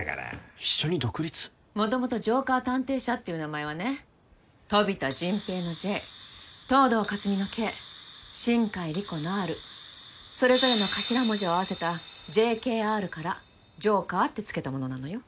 もともとジョーカー探偵社っていう名前はね飛田迅平の「Ｊ」東堂克己の「Ｋ」新偕理子の「Ｒ」それぞれの頭文字を合わせたＪＫＲからジョーカーって付けたものなのよ。